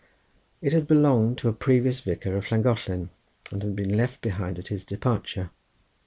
It had belonged to a previous vicar of Llangollen, and had been left behind at his departure.